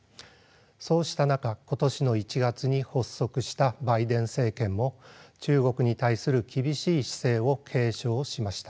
そうした中今年の１月に発足したバイデン政権も中国に対する厳しい姿勢を継承しました。